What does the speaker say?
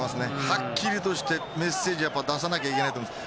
はっきりとしたメッセージを出さなきゃいけないです。